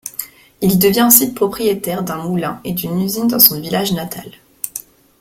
Il devint ensuite propriétaire d'un moulin et d'une usine dans son village natal.